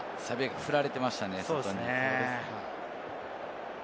振られてましたね、外に。